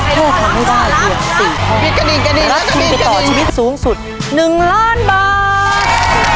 เพื่อทำให้ราชีวิตสูงสุด๑ล้านบาท